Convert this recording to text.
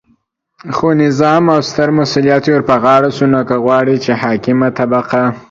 خو نظام او ستر مسؤلیت ورپه غاړه شو، نو که غواړئ چې حاکمه طبقه